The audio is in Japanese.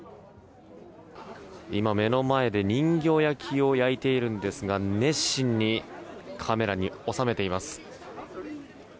今、目の前で人形焼きを焼いているんですが熱心にカメラに収めています。